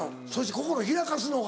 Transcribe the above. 心開かすのが。